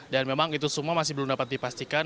dan memang itu semua masih belum dapat dipastikan